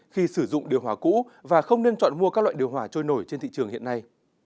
khi sử dụng điều hòa cũ và không nên chọn mua các loại điều hòa trôi nổi trên thị trường hiện nay